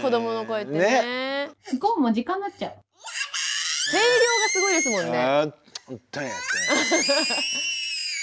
声量がすごいですもんね。